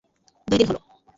দুই দিন হলো।